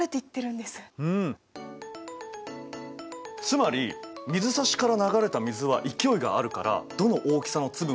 つまり水差しから流れた水は勢いがあるからどの大きさの粒も流す。